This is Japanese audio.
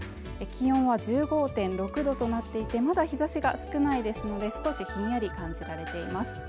気温は１５．６度となっていてまだ日ざしが少ないですので少しひんやり感じられています